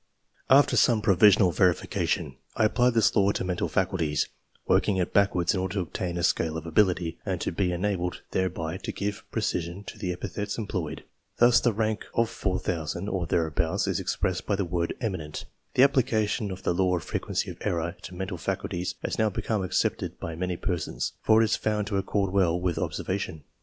After some provisional verification, I applied this same law to mental faculties, working it backwards in order to obtain a scale of ability, and to be enabled thereby to give precision to the epithets employed. Thus the rank of first in 4,000 or thereabouts is expressed by the word " eminent." The application of the law of frequency of error to mental faculties has now become accepted by many persons, for it is found to accord well with observation.